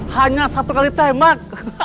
hanya satu kali tembak